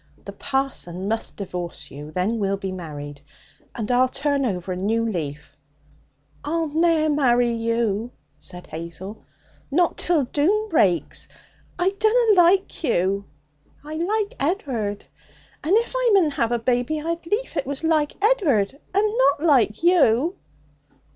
The parson must divorce you. Then we'll be married. And I'll turn over a new leaf.' 'I'll ne'er marry you!' said Hazel, 'not till Doom breaks. I dunna like you. I like Ed'ard. And if I mun have a baby, I'd lief it was like Ed'ard, and not like you.'